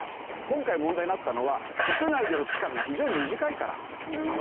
今回問題になったのは国内での期間が非常に短いから。